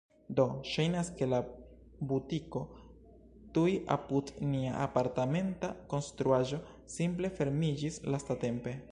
Do, ŝajnas, ke la butiko tuj apud nia apartamenta konstruaĵo simple fermiĝis lastatempe